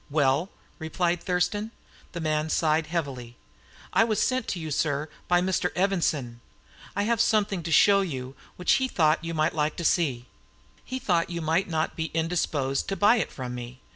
"Well?" replied Thurston. The man sighed heavily. "I was sent to you, sir, by Mr. Evanson. I have something to show you which he thought you would like to see. He thought you might not be indisposed to buy it from me.